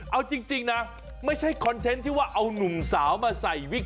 เอาจริงนะไม่ใช่คอนเทนต์ที่ว่าเอานุ่มสาวมาใส่วิก